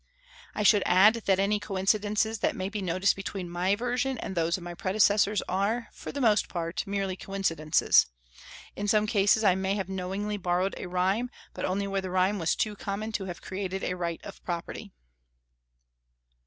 I should add that any coincidences that may be noticed between my version and those of my predecessors are, for the most part, merely coincidences. In some cases I may have knowingly borrowed a rhyme, but only where the rhyme was too common to have created a right of property.